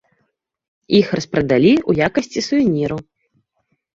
Іх распрадалі ў якасці сувеніраў.